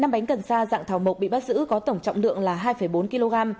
năm bánh cần sa dạng thảo mộc bị bắt giữ có tổng trọng lượng là hai bốn kg